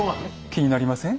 気になりません？